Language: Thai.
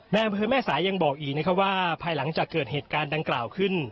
อำเภอแม่สายยังบอกอีกนะครับว่าภายหลังจากเกิดเหตุการณ์ดังกล่าวขึ้น